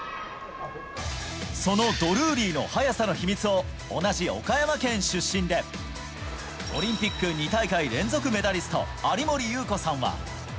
そのドルーリーの速さの秘密を同じ岡山県出身でオリンピック２大会連続メダリスト、有森裕子さんは。